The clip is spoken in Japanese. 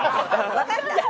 分かった。